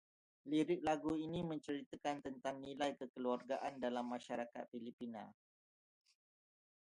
Lirik lagu ini menceritakan tentang nilai kekeluargaan dalam masyarakat Filipina